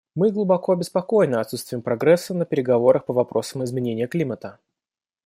Мы глубоко обеспокоены отсутствием прогресса на переговорах по вопросам изменения климата.